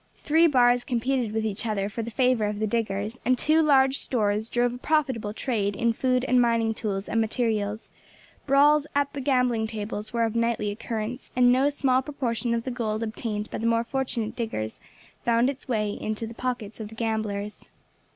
Three bars competed with each other for the favour of the diggers, and two large stores drove a profitable trade in food and mining tools and materials; brawls at the gambling tables were of nightly occurrence, and no small proportion of the gold obtained by the more fortunate diggers found its way into the pockets of the gamblers.